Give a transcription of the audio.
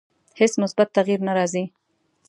هیڅ مثبت تغییر نه راځي.